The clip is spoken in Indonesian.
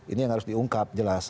ini yang harus diungkap jelas